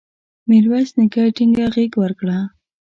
میرویس نیکه ټینګه غېږ ورکړه.